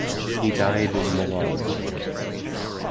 He died in Milan.